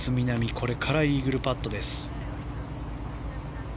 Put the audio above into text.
これからイーグルパットです。